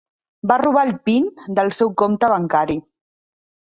Va robar el PIN del seu compte bancari.